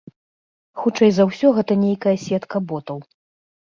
Хутчэй за ўсё гэта нейкая сетка ботаў.